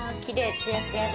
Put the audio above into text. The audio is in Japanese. つやつやで。